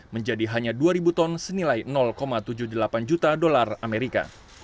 menjadi hanya dua ribu ton senilai tujuh puluh delapan juta dolar amerika